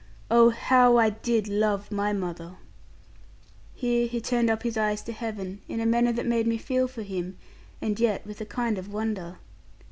Oh, how I did love my mother!' Here he turned up his eyes to heaven, in a manner that made me feel for him and yet with a kind of wonder.